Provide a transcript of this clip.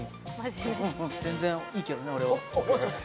全然いいけどね俺は。